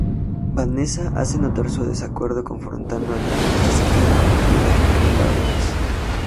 Vanessa hace notar su desacuerdo, confrontando a Janet acerca de la Fragilidad de Lawrence.